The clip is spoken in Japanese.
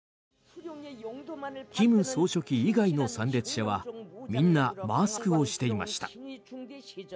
金総書記以外の参列者はみんなマスクをしていました。